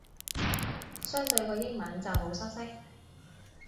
相對個英文就好失色